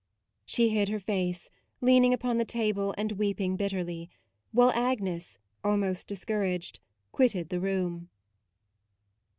She hid her face, leaning upon the table and weeping bitterly ; while Agnes, al most discouraged, quitted the room.